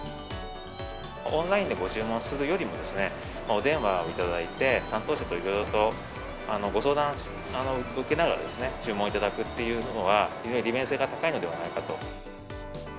オンラインでご注文するよりも、お電話をいただいて、担当者といろいろとご相談受けながらですね、注文いただくっていうのは、非常に利便性が高いんじゃないかと。